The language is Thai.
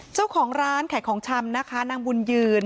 เจ้าของร้านขายของชำนะคะนางบุญยืน